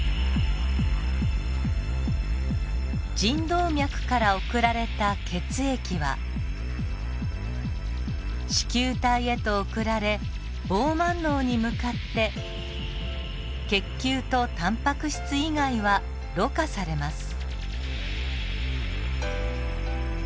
腎動脈から送られた血液は糸球体へと送られボーマンのうに向かって血球とタンパク質以外はろ過されます。